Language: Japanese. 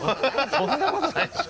そんなことないっしょ。